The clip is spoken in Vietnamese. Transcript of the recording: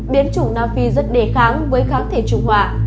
biến chủng nam phi rất đề kháng với kháng thể trùng họa